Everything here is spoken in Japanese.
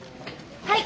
はい！